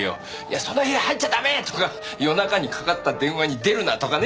その部屋入っちゃ駄目ー！とか夜中にかかった電話に出るな！とかね。